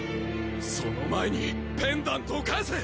その前にペンダントを返せ！